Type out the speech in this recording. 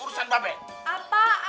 urusan belanja nanti urusan mbak be